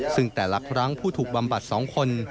ซึ่งแต่ลักษณ์ผู้ถูกบำบัดสองคน